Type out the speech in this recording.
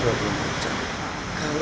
bukanya dua puluh empat jam